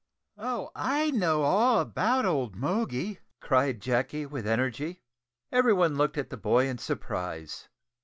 "Oh! I know all about old Moggy," cried Jacky with energy. Everyone looked at the boy in surprise.